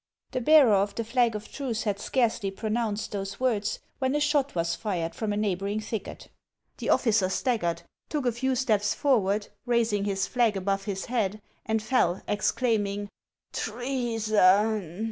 The bearer of the flag of truce had scarcely pronounced those words, when a shot was fired from a neighboring thicket. The officer staggered, took a few steps forward, raising his flag above his head, and fell, exclaiming :" Treason